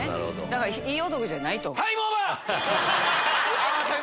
だからいい男じゃないと思ってる。